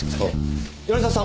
米沢さん